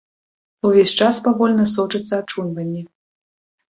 Увесь час павольна сочыцца ачуньванне.